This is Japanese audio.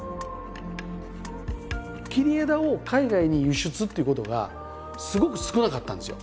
切り枝を海外に輸出っていうことがすごく少なかったんですよ。